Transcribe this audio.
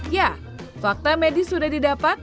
ya fakta medis sudah didapat